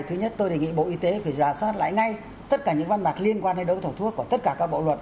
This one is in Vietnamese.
thứ nhất tôi đề nghị bộ y tế phải giả soát lại ngay tất cả những văn bạc liên quan đến đấu thầu thuốc của tất cả các bộ luật